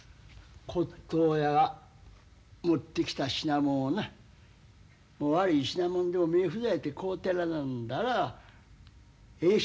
骨とう屋が持ってきた品物をな悪い品物でも目ぇ塞いで買うてやらなんだらええ